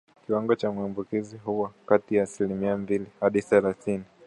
Kiwango cha maambukizi huwa kati ya asilimia mbili hadi thelathini